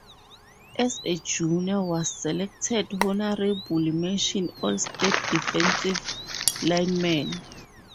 As a junior was selected honorable mention all state defensive lineman.